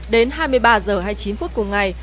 đến hai mươi ba h hai mươi chín phút cùng ngày